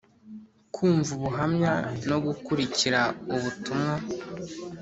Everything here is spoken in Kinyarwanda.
Kumva ubuhamya no gukurikira ubutumwa